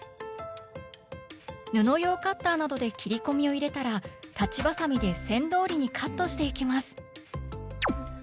布用カッターなどで切り込みを入れたら裁ちばさみで線どおりにカットしていきます。